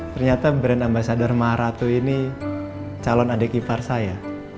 ternyata brand ambasadar maharatu ini calon adik kipar saya